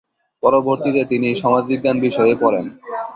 পরবর্তিতে তিনি সমাজবিজ্ঞান বিষয়ে পরেন।